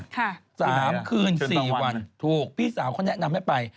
ค่ะที่ไหนล่ะเชิญตะวันถูกพี่สาวเขาแนะนำให้ไป